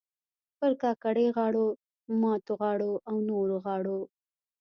پر کاکړۍ غاړو، ماتو غاړو او نورو غاړو